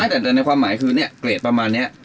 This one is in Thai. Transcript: แต่ในความหมายคือเนี่ยเกรดประมาณนี้